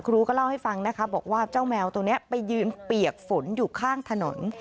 ก็เล่าให้ฟังนะคะบอกว่าเจ้าแมวตัวนี้ไปยืนเปียกฝนอยู่ข้างถนน